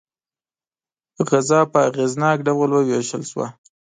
غذا په اغېزناک ډول وویشل شوه.